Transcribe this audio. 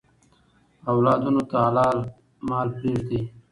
اولادونو ته حلال مال پریږدئ.